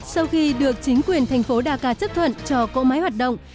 sau khi được chính quyền thành phố dakar chấp thuận cho cỗ máy hoạt động